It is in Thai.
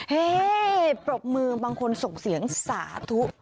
ปรบมือบางคนส่งเสียงสาธุ